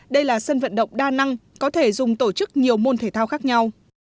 đây là sân vận động đa năng có thể dùng tổ chức nhiều môn thể thao khác nhau